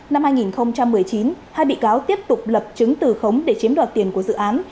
năm hai nghìn một mươi chín hai bị cáo tiếp tục lập chứng từ khống để chiếm đoạt tiền của dự án